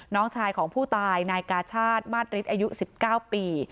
น้องชายของผู้ตายนายกาชาติมาสฤทธิอายุ๑๙ปี